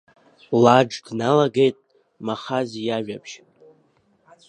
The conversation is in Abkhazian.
Лаџ, дналагеит Махаз иажәабжь…